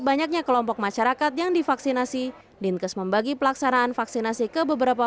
banyaknya kelompok masyarakat yang divaksinasi dinkes membagi pelaksanaan vaksinasi ke beberapa